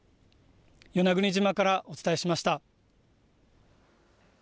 与那国島からお伝えしました。